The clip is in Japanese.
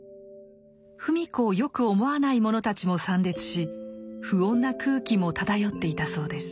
芙美子をよく思わない者たちも参列し不穏な空気も漂っていたそうです。